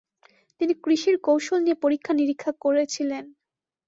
তিনি কৃষির কৌশল নিয়ে পরীক্ষা-নিরীক্ষা করেছিলেন।